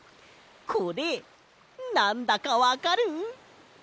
これなんだかわかる？